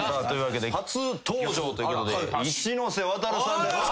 初登場ということで一ノ瀬ワタルさんです。